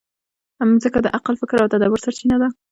مځکه د عقل، فکر او تدبر سرچینه ده.